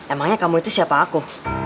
emangnya kamu itu siapa aku